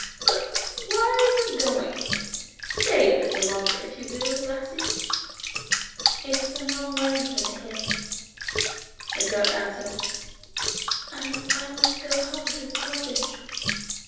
But why are you going ? stay a little longer if you will, lassie." v.] FROM OUTSIDE THE WORLD. 73 " It is a long way over the hills," the girl answered, " and I must go home to the cottage."